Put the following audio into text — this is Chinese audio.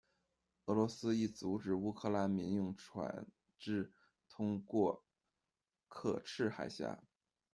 俄罗斯亦阻止乌克兰民用船只通过刻赤海峡。